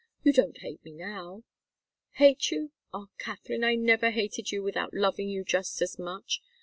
You don't hate me now!" "Hate you! Ah, Katharine I never hated you without loving you just as much.